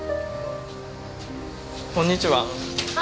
こんにちは。